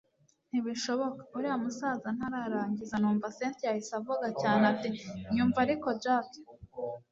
ntibishoboka, uriya musaza ntara rangiza numva cyntia ahise avuga cyane ati nyumva ariko jack